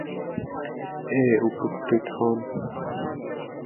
এ উপস্থিত হন।